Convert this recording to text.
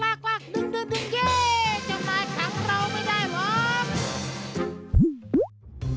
จ้าวนายขังเราไม่ได้เหรอ